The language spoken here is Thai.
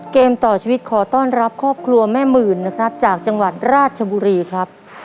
เกมต่อชีวิตขอต้อนรับครอบครัวแม่หมื่นนะครับจากจังหวัดราชบุรีครับ